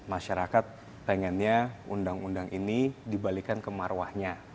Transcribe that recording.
masyarakat pengennya undang undang ini dibalikan kemaruahnya